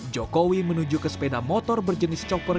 jokowi menuju ke sepeda motor berjenis chopper